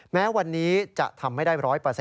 แม้วันนี้จะทำไม่ได้๑๐๐